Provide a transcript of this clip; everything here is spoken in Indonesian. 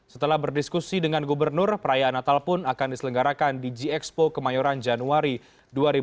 setelah berdiskusi dengan gubernur perayaan natal pun akan diselenggarakan di gx poco bayoran januari dua ribu delapan belas mendatang